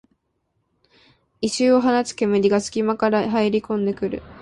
異臭を放つ煙がすき間から入りこんでくる